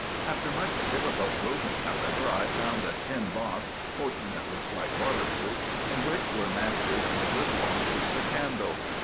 After much difficult groping, however, I found a tin box, fortunately quite waterproof, in which were matches and a good long piece of candle.